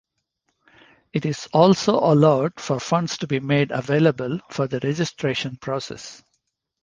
It also allowed for funds to be made available for the registration process.